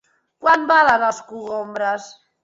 Quant valen els cogombres?